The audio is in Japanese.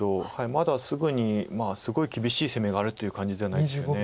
まだすぐにすごい厳しい攻めがあるという感じではないですよね。